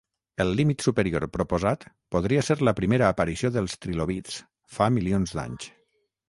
El límit superior proposat podria ser la primera aparició dels trilobits, fa milions d'anys.